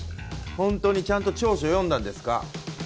ホントにちゃんと調書読んだんですか？